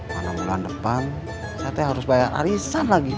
mana bulan depan saya teh harus bayar arisan lagi